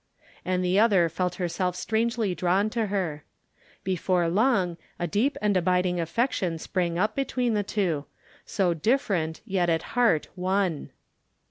And the other felt herself strangely drawn to her. Before long a deep and abiding affection sprang up between the two, so different, yet at heart one.